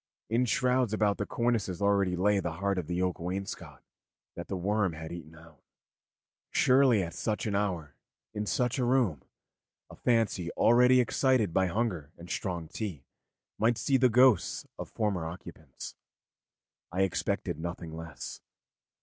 In shrouds about the cornices already lay the heart of the oak wainscot that the worm had eaten out. Surely at such an hour, in such a room, a fancy already excited by hunger and strong tea might see the ghosts of former occupants. I expected nothing less.